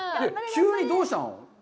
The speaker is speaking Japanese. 急にどうしたの？